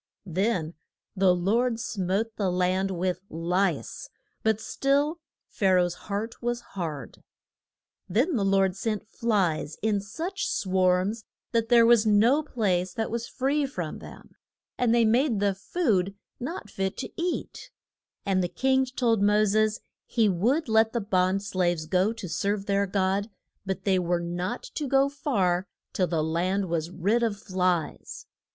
Then the Lord smote the land with lice; but still Pha ra oh's heart was hard. [Illustration: MOS ES AT THE BURN ING BUSH.] Then the Lord sent flies in such swarms that there was no place that was free from them, and they made the food not fit to eat. And the king told Mo ses he would let the bond slaves go to serve their God, but they were not to go far till the land was rid of flies.